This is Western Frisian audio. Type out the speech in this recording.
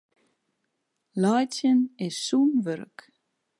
Laitsjen is sûn wurk.